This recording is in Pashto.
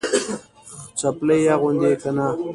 څپلۍ اغوندې که نه؟